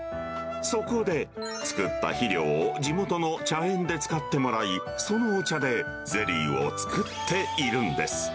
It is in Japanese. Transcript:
そこで、作った肥料を地元の茶園で使ってもらい、そのお茶でゼリーを作っているんです。